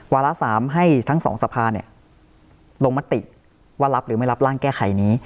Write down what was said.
ระ๓ให้ทั้งสองสภาลงมติว่ารับหรือไม่รับร่างแก้ไขนี้